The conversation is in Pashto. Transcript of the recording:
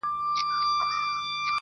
• کرۍ ورځ چي یې مزلونه وه وهلي -